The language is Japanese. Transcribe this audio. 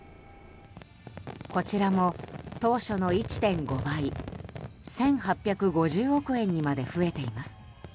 こちらも当初の１．５倍１８５０億円にまで増えています。